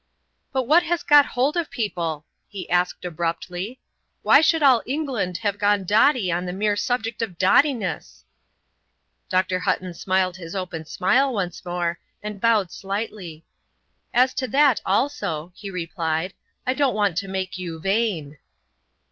"But what has got hold of people?" he asked, abruptly. "Why should all England have gone dotty on the mere subject of dottiness?" Dr. Hutton smiled his open smile once more and bowed slightly. "As to that also," he replied, "I don't want to make you vain."